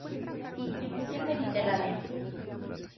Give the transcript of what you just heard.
Distribución mediterránea.